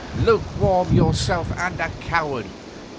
'Lukewarm yourself and a coward!